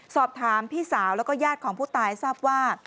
สอบถามพี่สาวแล้วก็ญาติของผู้ตายทราบว่า